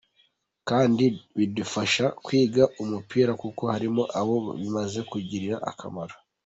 Kandi bidufasha kwiga umupira kuko harimo abo bimaze kugirira akamaro.